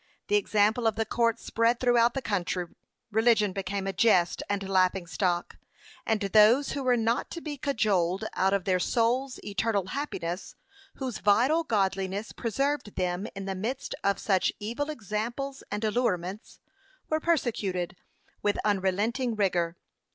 The example of the court spread throughout the country religion became a jest and laughing stock; and those who were not to be cajoled out of their soul's eternal happiness whose vital godliness preserved them in the midst of such evil examples and allurements, were persecuted with unrelenting rigour.